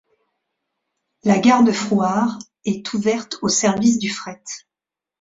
La gare de Frouard est ouverte au service du fret.